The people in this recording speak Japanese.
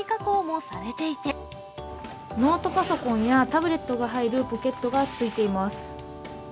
ノートパソコンや、タブレットが入るポケットがついています。